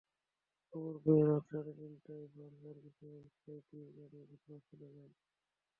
খবর পেয়ে রাত সাড়ে তিনটায় ফায়ার সার্ভিসের ছয়টি গাড়ি ঘটনাস্থলে যায়।